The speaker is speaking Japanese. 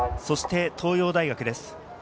そして東洋大学です。